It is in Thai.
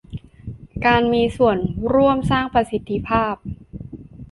การมีส่วนร่วมสร้างประสิทธภาพ